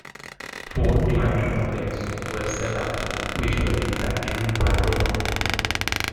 Four client-republics were set up, which were in fact ruled by Rome.